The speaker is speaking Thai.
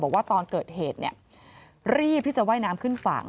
บอกว่าตอนเกิดเหตุรีบที่จะว่ายน้ำขึ้นฝั่ง